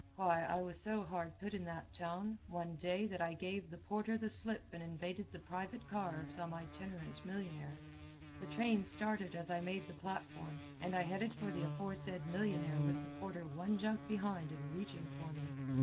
Why, I was so hard put in that town, one day, that I gave the porter the slip and invaded the private car of some itinerant millionnaire. The train started as I made the platform, and I headed for the aforesaid millionnaire with the porter one jump behind and reaching for me.